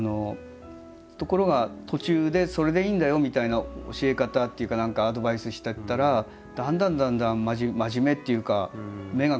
ところが途中でそれでいいんだよみたいな教え方というか何かアドバイスしてったらだんだんだんだん真面目っていうか目が輝いてきて。